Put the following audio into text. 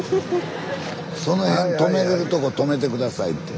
スタジオその辺止めれるとこ止めて下さいって。